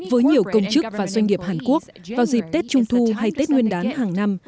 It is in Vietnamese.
với nhiều công chức và doanh nghiệp hàn quốc vào dịp tết trung thu hay tết nguyên đán hàng năm